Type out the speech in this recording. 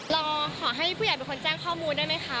รอขอให้ผู้ใหญ่เป็นคนแจ้งข้อมูลได้ไหมคะ